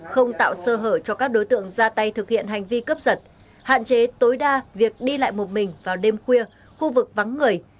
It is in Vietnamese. không tạo sơ hở cho các đối tượng ra tay thực hiện hành vi cướp giật hạn chế tối đa việc đi lại một mình vào đêm khuya khu vực vắng người